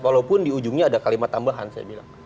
walaupun di ujungnya ada kalimat tambahan saya bilang